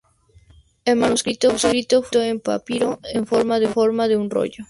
El manuscrito fue escrito en papiro, en forma de un rollo.